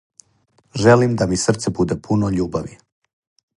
желим да ми срце буде пуно љубави.